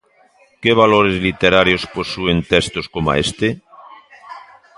Que valores literarios posúen textos coma este?